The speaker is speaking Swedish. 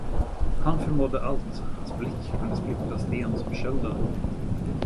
Han förmådde allt, hans blick kunde splittra sten som kölden.